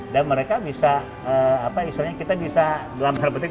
dan mereka bisa apa istilahnya kita bisa dalam hal betul